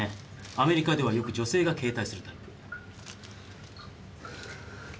アメリカではよく女性が携帯するタイプ。